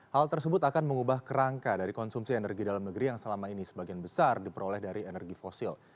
hal tersebut akan mengubah kerangka dari konsumsi energi dalam negeri yang selama ini sebagian besar diperoleh dari energi fosil